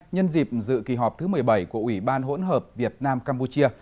nhân dịp dự kỳ họp thứ một mươi bảy của ủy ban hỗn hợp việt nam campuchia